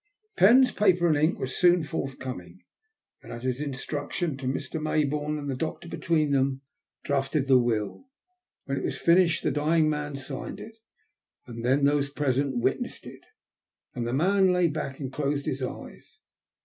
Fens, paper, and ink were soon forthcoming ; and at his instruction Mr. Mayboume and the doctor between them drafted the wiU. When it was finished the dying man signed it, and then those present witnessed it, and the man lay back and closed his eyes.